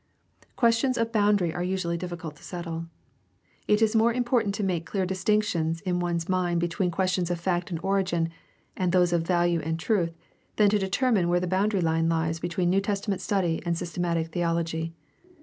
Questions of boundary are usually difficult to settle. It is more important to make clear distinctions in one's mind between questions of fact and origin and those of value and truth than to determine just where the boundary line hes between New Testament study and systematic theology.